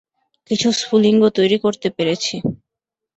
কিছু স্ফুলিঙ্গ তৈরি করতে পেরেছি।